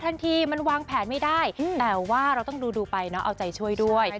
ทันทีมันวางแผนไม่ได้แต่ว่าเราต้องดูไปเนาะเอาใจช่วยด้วย